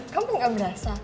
kamu gak berasa